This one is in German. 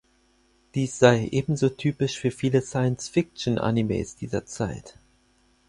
Dies sei ebenso typisch für viele Science-Fiction-Animes dieser Zeit.